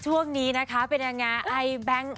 ช่วงนี้นะคะเป็นยังไงไอแบงค์